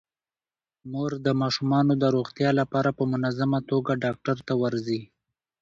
مور د ماشومانو د روغتیا لپاره په منظمه توګه ډاکټر ته ورځي.